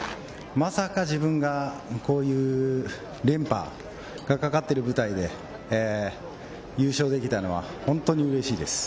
まさか自分がこういう連覇がかかっている舞台で優勝できたのは本当にうれしいです。